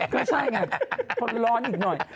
ก็ใช่ไงทนร้อนอีกหน่อย